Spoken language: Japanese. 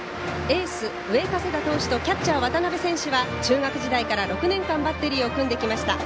エース、上加世田投手とキャッチャー、渡辺選手は中学時代から６年間バッテリーを組んできました。